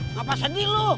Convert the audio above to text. ngapasih di lu